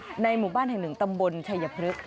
พื้นบ้านในมุมบ้านห้างหนึ่งตำบลชายพฤษ